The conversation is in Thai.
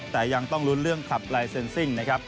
แต่ยังต้องลุ้นเรื่องขับลายเซ็นซิ่งนะครับ